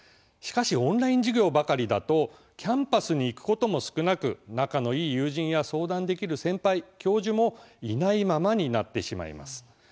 しかしオンライン授業ばかりだとキャンパスに行くことも少なく仲のいい友人や相談できる先輩、教授もいないままになってしまいます。